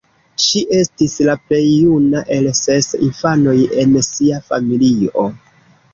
Ŝi estis la plej juna el ses infanoj en sia familio.